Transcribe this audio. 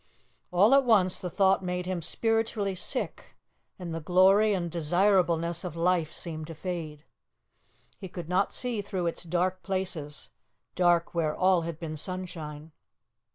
All at once the thought made him spiritually sick, and the glory and desirableness of life seemed to fade. He could not see through its dark places, dark where all had been sunshine.